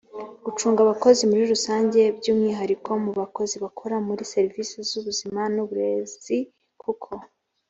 gucunga abakozi muri rusange by umwihariko mu bakozi bakora muri serivisi z ubuzima n uburezi kuko